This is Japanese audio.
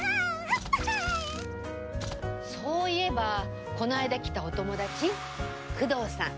そういえばこの間来たお友達九堂さん